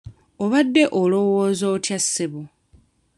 Obadde olowooza otya ssebo?